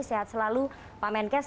sehat selalu pak menkes